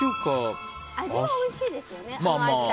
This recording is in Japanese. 味はおいしいでしょうね。